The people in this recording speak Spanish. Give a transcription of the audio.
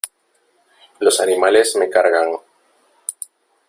Los animales me cargan.